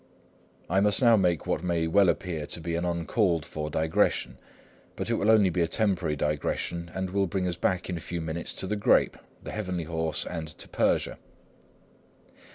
I must now make what may well appear to be an uncalled for digression; but it will only be a temporary digression, and will bring us back in a few minutes to the grape, the heavenly horse, and to Persia.